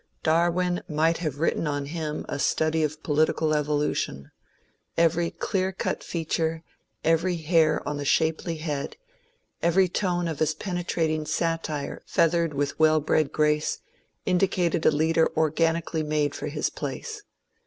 Darwin might have written on him a study of politi THE HOUSE OF LORDS 71 cal evolution ; every clear cut feature, every hair on the shapely head, every tone of his penetrating satire feathered with well bred grace, indicated a leader organically made for his place.